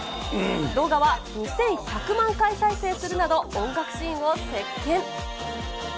動画は２１００万回再生するなど、音楽シーンを席けん。